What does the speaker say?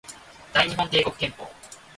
大日本帝国憲法